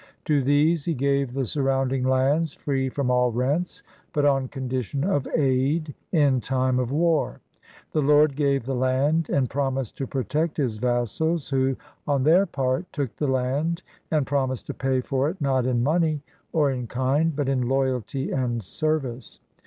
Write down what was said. To these he gave the surrounding lands free from all rents, but on condition of aid in time of war. The lord gave the land and promised to protect his vassals, who, on their part, took the land and promised to pay for it not in money or in kind, but in loyalty and service.